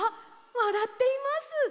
わらっています！